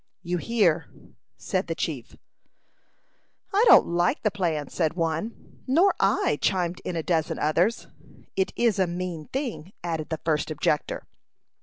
"You hear," said the chief. "I don't like the plan," said one. "Nor I," chimed in a dozen others. "It is a mean thing," added the first objector.